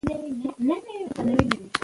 آیا افغانان به د اصفهان په جګړه کې بریالي شي؟